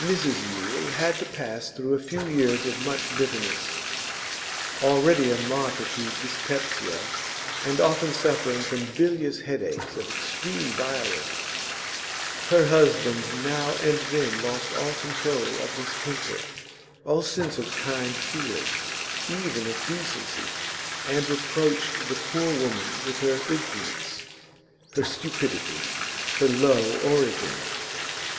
Mrs Yule had to pass through a few years of much bitterness. Already a martyr to dyspepsia, and often suffering from bilious headaches of extreme violence, her husband now and then lost all control of his temper, all sense of kind feeling, even of decency, and reproached the poor woman with her ignorance, her stupidity, her low origin.